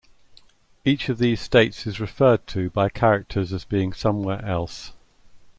Each of these states is referred to by characters as being somewhere else.